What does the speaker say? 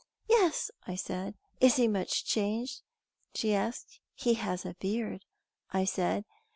'Yes,' I said. 'Is he much changed?' she asked. 'He has a beard,' I said.